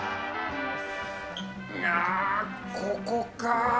いやぁ、ここか、